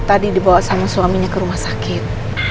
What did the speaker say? tadi dibawa sama suaminya ke rumah sakit